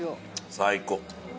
最高！